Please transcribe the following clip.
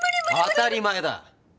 当たり前だ！